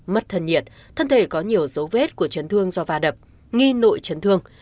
mất thân nhiệt thân thể có nhiều dấu vết của chấn thương do va đập nghi nội chấn thương